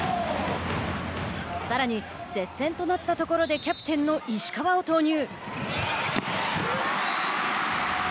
さらに、接戦となったところでキャプテンの石川を投入。